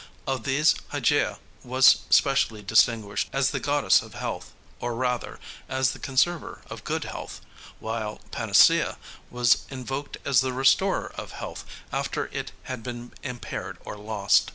Of these Hygiea was specially distinguished as the goddess of health, or, rather, as the conserver of good health, while Panacea was invoked as the restorer of health after it had been impaired or lost.